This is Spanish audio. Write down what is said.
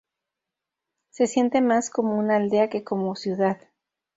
Se siente más como una aldea que como ciudad.